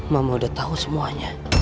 mama udah tahu semuanya